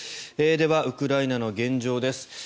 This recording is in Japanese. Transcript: では、ウクライナの現状です。